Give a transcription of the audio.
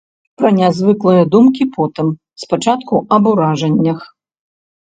Пра нязвыклыя думкі потым, спачатку аб уражаннях.